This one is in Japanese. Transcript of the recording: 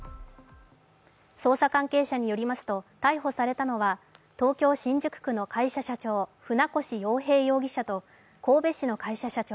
捜査関係者によりますと逮捕されたのは、東京・新宿区の会社社長、船越洋平容疑者と神戸市の会社社長、